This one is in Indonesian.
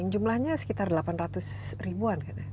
jumlahnya sekitar delapan ratus ribuan